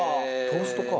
トーストか。